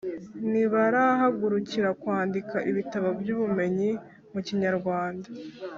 ntibarahagurukira kwandika ibitabo by’ubumenyi mu Kinyarwanda.